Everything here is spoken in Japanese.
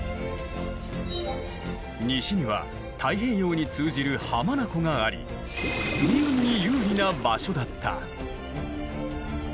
西には太平洋に通じる浜名湖があり水運に有利な場所だった。